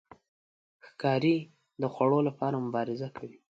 ښکاري د خوړو لپاره مبارزه کوي.